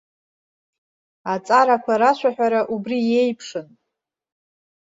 Аҵарақәа рашәаҳәара убри иеиԥшын.